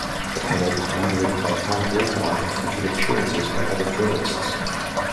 The panel was moderated by Tom Brokaw and featured appearances by other journalists.